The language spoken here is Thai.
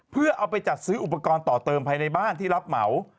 เพื่อเอาไปจัดซื้ออุปกรณ์ต่อเติมภายในบ้านที่รับเหมา